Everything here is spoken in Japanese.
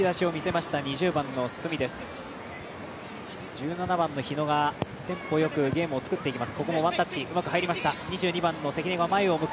１７番の日野がテンポよくゲームを作っていきます。